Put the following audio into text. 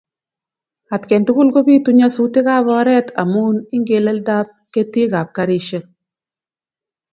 Atkan tukul kopitu nyasutik ap oret amun ingeleldap ketig ap karisyek.